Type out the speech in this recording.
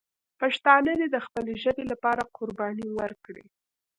پښتانه دې د خپلې ژبې لپاره قرباني ورکړي.